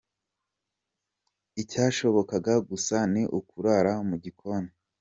Icyashobokaga gusa ni ukurara mu gikoni.